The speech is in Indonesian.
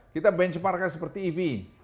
kita benchmark nya seperti ev